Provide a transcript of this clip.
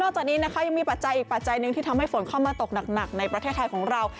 จากนี้นะคะยังมีปัจจัยอีกปัจจัยหนึ่งที่ทำให้ฝนเข้ามาตกหนักในประเทศไทยของเรา